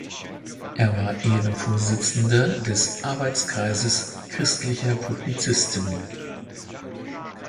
Er war Ehrenvorsitzender des Arbeitskreises Christlicher Publizisten.